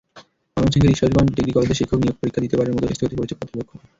ময়মনসিংহের ঈশ্বরগঞ্জ ডিগ্রি কলেজে শিক্ষক নিয়োগ পরীক্ষা দ্বিতীয়বারের মতো স্থগিত করেছে কর্তৃপক্ষ।